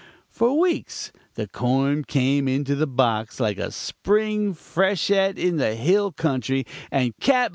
"For weeks the coin came into the box like a spring freshet in the hill country, and Cap.